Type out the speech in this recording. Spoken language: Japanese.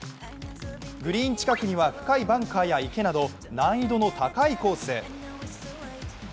グリーン近くには深いバンカーや池など難易度の高いコース。